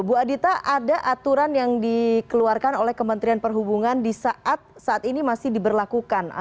bu adita ada aturan yang dikeluarkan oleh kementerian perhubungan di saat saat ini masih diberlakukan